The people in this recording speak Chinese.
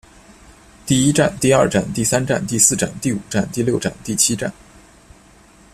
第一战第二战第三战第四战第五战第六战第七战